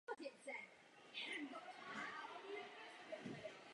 Přátelské pozemní jednotky bývají na hráči nezávislé.